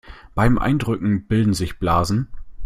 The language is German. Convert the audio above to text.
Beim Eindrücken bilden sich Blasen.